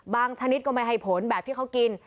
ชนิดก็ไม่ให้ผลแบบที่เขากิน